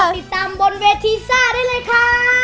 ติดตามบนเวทีซ่าได้เลยค่ะ